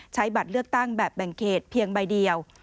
บัตรเลือกตั้งแบบแบ่งเขตเพียงใบเดียว